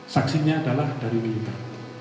saksinya adalah dari militer